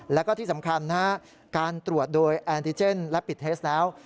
แล้วก็ที่สำคัญนะฮะการตรวจโดยแอนติเจนและปิดเทสแล้ว